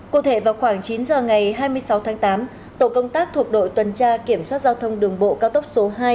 cụ thể vào khoảng chín giờ ngày hai mươi sáu tháng tám tổ công tác thuộc đội tuần tra kiểm soát giao thông đường bộ cao tốc số hai